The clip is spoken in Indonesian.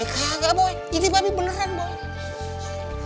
eh kagak boy ini mba be beneran boy